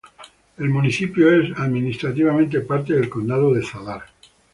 El municipio es administrativamente parte del Condado de Zadar.